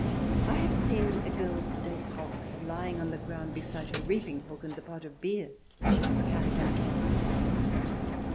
I have seen a girl's defroque lying on the ground beside her reap ing hook and the pot of beer she has carried out to her husband.